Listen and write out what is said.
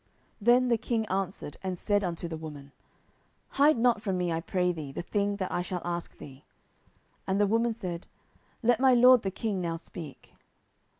10:014:018 Then the king answered and said unto the woman, Hide not from me, I pray thee, the thing that I shall ask thee. And the woman said, Let my lord the king now speak.